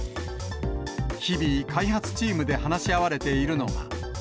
日々、開発チームで話し合われているのが。